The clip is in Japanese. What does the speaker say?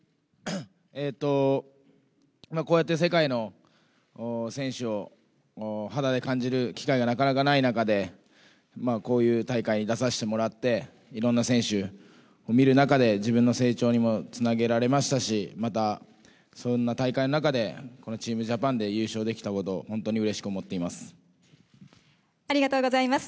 こうやって世界の選手を肌で感じる機会がなかなかない中で、こういう大会に出させてもらって、いろんな選手を見る中で、自分の成長にもつなげられましたし、また、そんな大会の中で、このチームジャパンで優勝できたこと、本当にうれしく思っていまありがとうございます。